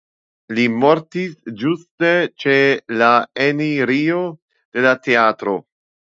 Li mortis ĝuste ĉe la enirejo de la teatro.